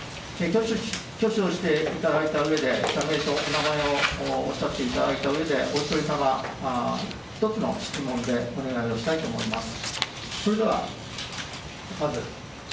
挙手をしていただいたうえ社名とお名前をおっしゃっていただいたうえでお一人様、１つの質問でお願いしたいと思います。